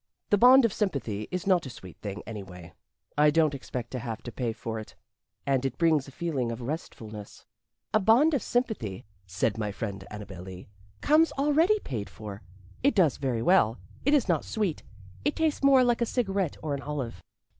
The bond of sympathy is not a sweet thing, anyway. I don't expect to have to pay for it And it brings a feeling of restfulness. " "A bond of sympathy," said my friend Annabel Lee, "comes already paid for. It does very well. It is not sweet it tastes more like a cigarette or an olive.